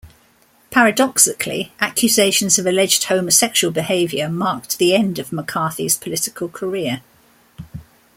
Paradoxically, accusations of alleged homosexual behaviour marked the end of McCarthy's political career.